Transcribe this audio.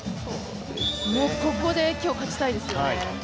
ここで今日、勝ちたいですよね。